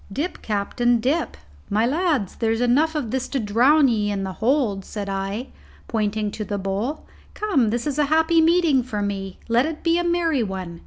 "Dip, captain, dip, my lads; there's enough of this to drown ye in the hold," said I, pointing to the bowl. "Come, this is a happy meeting for me; let it be a merry one.